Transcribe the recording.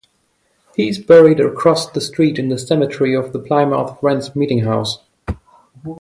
He is buried across the street in the cemetery of the Plymouth Friends Meetinghouse.